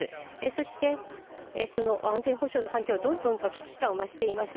そしてその安全保障の環境はどんどんと危機感を増しています。